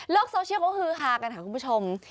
โลกโซเชียลก็คือค้ากันคุณผู้ชม